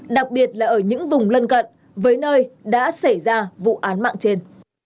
đặc biệt là ở những vùng lân cận với nơi đã xảy ra vụ án mạng trên